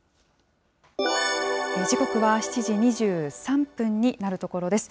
時刻は７時２３分になるところです。